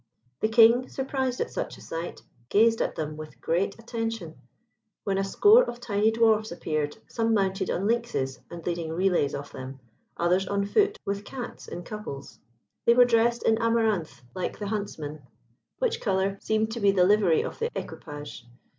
The King, surprised at such a sight, gazed at them with great attention, when a score of tiny dwarfs appeared, some mounted on lynxes and leading relays of them, others on foot with cats in couples. They were dressed in amaranth like the huntsmen, which colour seemed to be the livery of the equipage.